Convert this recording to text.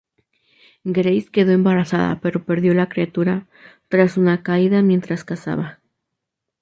Grace quedó embarazada pero perdió la criatura tras una caída mientras cazaba.